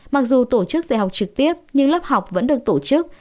mặc dù tổ chức dạy học trực tiếp nhưng lớp học vẫn được tổ chức